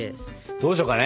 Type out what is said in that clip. どうしようかね。